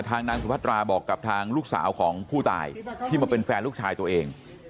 นางสุพัตราบอกกับทางลูกสาวของผู้ตายที่มาเป็นแฟนลูกชายตัวเอง